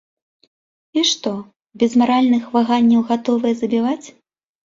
І што, без маральных ваганняў гатовыя забіваць?